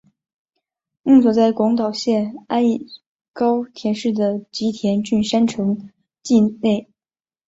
墓所在广岛县安艺高田市的吉田郡山城城迹内。